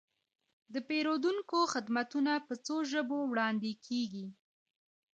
د پیرودونکو خدمتونه په څو ژبو وړاندې کیږي.